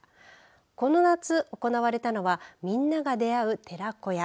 この夏行われたのはみんなが出会う寺子屋。